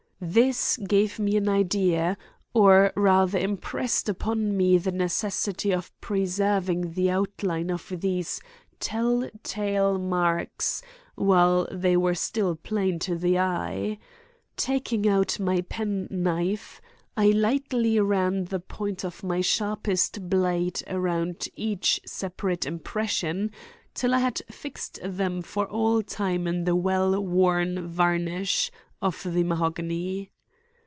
This gave me an idea, or rather impressed upon me the necessity of preserving the outline of these tell tale marks while they were still plain to the eye. Taking out my penknife, I lightly ran the point of my sharpest blade around each separate impression till I had fixed them for all time in the well worn varnish of the mahogany.